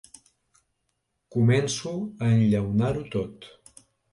Començo a enllaunar-ho tot.